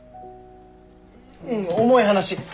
うん重い話。